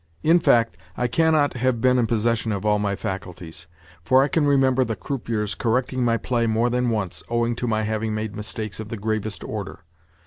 In fact, I cannot have been in possession of all my faculties, for I can remember the croupiers correcting my play more than once, owing to my having made mistakes of the gravest order.